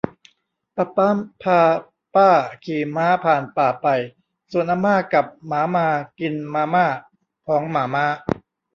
ปะป๊าพาป้าขี่ม้าผ่านป่าไป ส่วนอาม่ากับหมามากินมาม่าของหม่าม้า